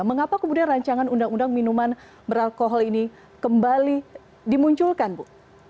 mengapa kemudian rancangan undang undang minuman beralkohol ini kembali dimunculkan bu